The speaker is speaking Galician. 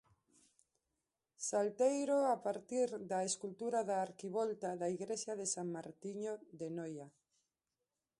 Salteiro a partir da escultura da arquivolta da igrexa de San Martiño de Noia.